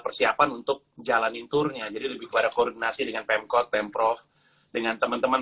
persiapan untuk jalanin tournya jadi lebih kepada koordinasi dengan pemkot pemprov dengan teman teman